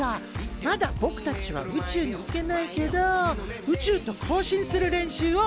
まだぼくたちは宇宙に行けないけど宇宙と交信する練習をしているんだ。